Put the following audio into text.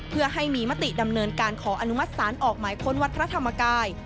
เพื่อให้มีมติดำเนินการขออนุมัติศาลออกหมายค้นวัดพระธรรมกาย